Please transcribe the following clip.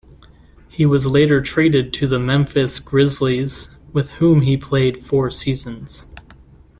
He was later traded to the Memphis Grizzlies, with whom he played four seasons.